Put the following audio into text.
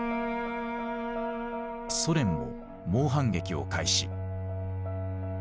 ソ連も猛反撃を開始。